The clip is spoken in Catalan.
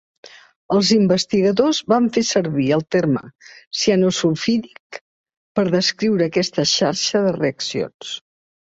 Els investigadors van fer servir el terme "cianosulfídic" per descriure aquesta xarxa de reaccions.